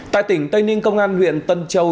tại tỉnh tây ninh công an huyện tân châu